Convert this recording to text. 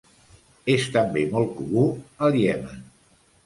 És també molt comú al Iemen.